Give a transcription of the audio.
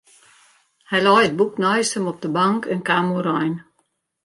Hy lei it boek neist him op de bank en kaam oerein.